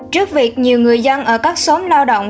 trước việc nhiều người dân ở các xóm lao động